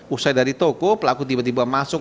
usai dari toko pelaku tiba tiba masuk